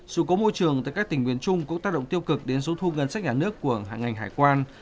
sự cố môi trường tại các tỉnh nguyên trung cũng tác động tiêu cực đến số thu ngân sách nhà nước của ngành hải quan